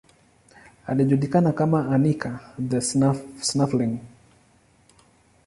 Alijulikana kama Anica the Snuffling.